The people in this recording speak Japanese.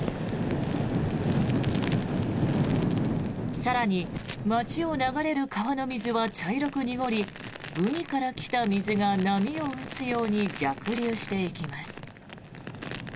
更に、街を流れる川の水は茶色く濁り海から来た水が波を打つように逆流していきます。